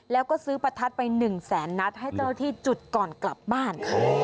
แล้วก็ซื้อประทัดไป๑แสนนัดให้เจ้าที่จุดก่อนกลับบ้าน